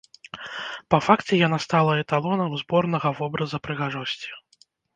Па факце яна стала эталонам зборнага вобраза прыгажосці.